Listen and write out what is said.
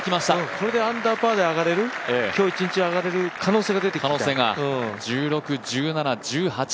これでアンダーパーで上がれる今日一日、上がれる可能性が出てきたから。